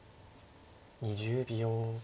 ２０秒。